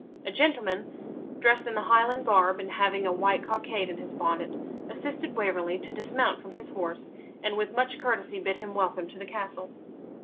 A gentleman, dressed in the Highland garb and having a white cockade in his bonnet, assisted Waverley to dismount from his horse, and with much courtesy bid him welcome to the castle.